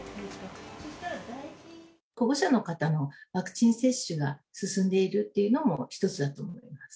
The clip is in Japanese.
保護者の方のワクチン接種が進んでいるっていうのも一つだと思います。